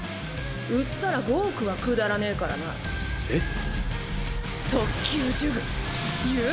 売ったら５億は下らねぇからなえっ？